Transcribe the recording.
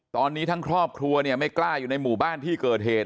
ตอนนี้ทั้งครอบครัวเนี่ยไม่กล้าอยู่ในหมู่บ้านที่เกิดเหตุ